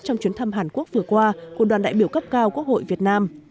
trong chuyến thăm hàn quốc vừa qua của đoàn đại biểu cấp cao quốc hội việt nam